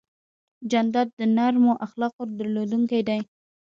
جانداد د نرمو اخلاقو درلودونکی دی.